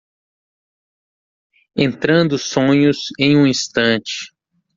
Entrando sonhos em um instante